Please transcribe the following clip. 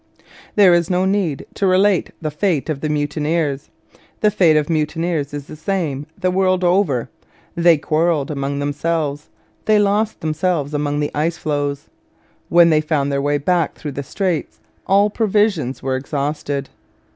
There is no need to relate the fate of the mutineers. The fate of mutineers is the same the world over. They quarrelled among themselves. They lost themselves among the icefloes. When they found their way back through the straits all provisions were exhausted.